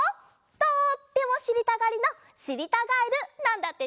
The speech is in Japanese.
とってもしりたがりのしりたガエルなんだってね。